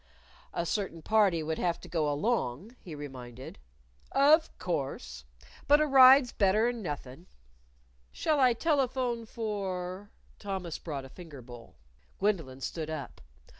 "A certain party would have to go along," he reminded. "Of course. But a ride's better'n nothin'." "Shall I telephone for ?" Thomas brought a finger bowl. Gwendolyn stood up.